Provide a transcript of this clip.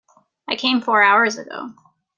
I came Four hours ago.